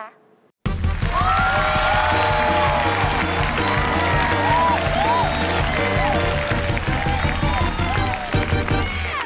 ถูกที่สุดค่ะ